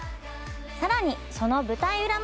更にその舞台裏まで！